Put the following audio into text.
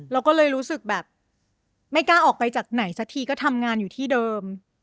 เราก็เลยรู้สึกแบบไม่กล้าออกไปจากไหนสักทีก็ทำงานอยู่ที่เดิม